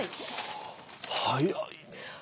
早いね。